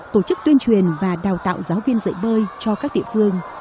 tổ chức tuyên truyền và đào tạo giáo viên dạy bơi cho các địa phương